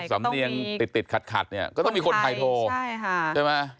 สำเนียงติดขัดก็ต้องมีคนไปโทรใช่ไหม